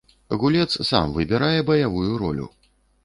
Гулец сам выбірае баявую ролю.